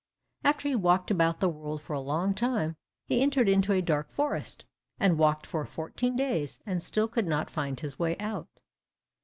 After he had walked about the world for a long time, he entered into a dark forest, and walked for fourteen days, and still could not find his way out.